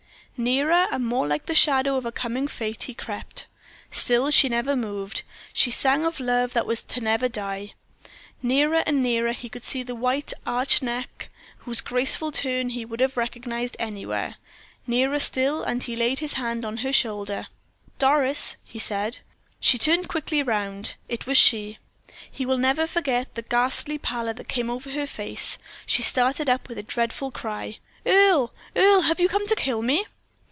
Nearer, and more like the shadow of a coming fate, he crept. Still she never moved. She sang of love that was never to die. Nearer and nearer he could see the white, arched neck, whose graceful turn he would have recognized anywhere. Nearer still, and he laid his hand on her shoulder. "Doris," he said. She turned quickly round. It was she. He will never forget the ghastly pallor that came over her face. She started up with a dreadful cry. "Earle! Earle! have you come to kill me?"